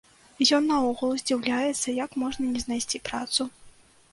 Ён наогул здзіўляецца, як можна не знайсці працу.